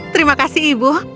terima kasih ibu